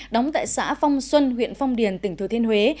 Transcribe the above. đóng tại xã phong xuân huyện phong điền tỉnh thừa thiên huế